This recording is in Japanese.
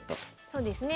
そうですね。